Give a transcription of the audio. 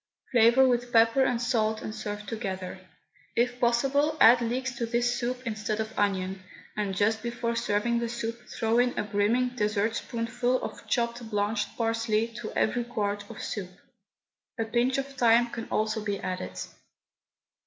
Flavour with pepper and salt and serve altogether. If possible add leeks to this soup instead of onion, and just before serving the soup throw in a brimming dessertspoonful of chopped blanched parsley to every quart of soup. A pinch of thyme can also be added.